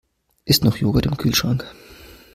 Ist noch Joghurt im Kühlschrank?